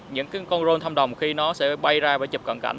những con rôn thăm đồng khi nó sẽ bay ra và chụp cận cảnh